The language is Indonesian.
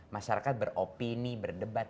masyarakat beropini berdebat